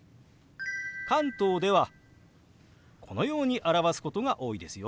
関東ではこのように表すことが多いですよ。